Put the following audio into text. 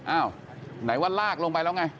อ้าวไหนว่าลากลงไปแล้วไง